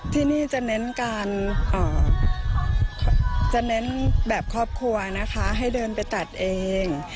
ที่นี่จะเน้นการจะเน้นแบบครอบครัวนะคะให้เดินไปตัดเอง